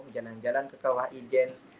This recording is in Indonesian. jalan jalan ke kawah ijen